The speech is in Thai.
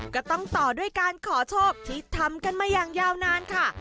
ก็ต้องต่อด้วยการขอโชคที่ทำกันมาอย่างยาวนานค่ะ